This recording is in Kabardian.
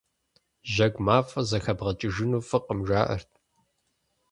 Жьэгу мафӀэр зэхэбгъэкӀыжыну фӀыкъым, жаӀэрт.